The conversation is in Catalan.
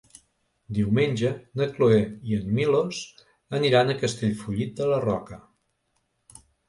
Diumenge na Cloè i en Milos aniran a Castellfollit de la Roca.